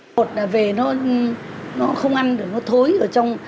một là về nó không ăn được nó thối ở trong